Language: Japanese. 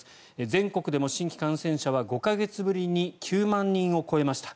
全国でも新規感染者は５か月ぶりに９万人を超えました。